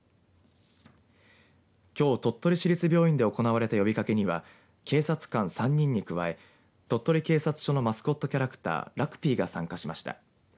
きょう鳥取市立病院で行われた呼びかけには警察官３人に加え鳥取警察署のマスコットキャラクターラクピーが参加しました。